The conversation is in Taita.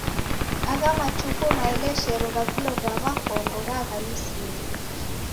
Agha matuku maeleshero gha vindo va w'akongo ghaghalusiro.